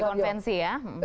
seperti konvensi ya